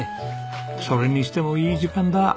それにしてもいい時間だ。